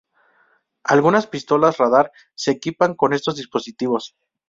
Algunas pistolas radar se equipan con estos dispositivos.